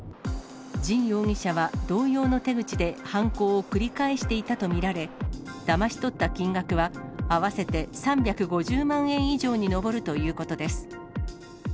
神容疑者は同様の手口で犯行を繰り返していたと見られ、だまし取った金額は、合わせて３５０万円以上に上るということです。